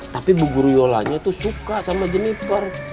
tapi bu guru yolanya tuh suka sama jeniper